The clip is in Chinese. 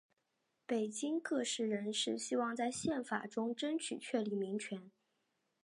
北京各界人士希望在宪法中争取确立民权。